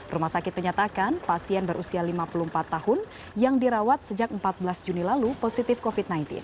rumah sakit menyatakan pasien berusia lima puluh empat tahun yang dirawat sejak empat belas juni lalu positif covid sembilan belas